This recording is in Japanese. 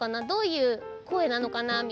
どういう声なのかな？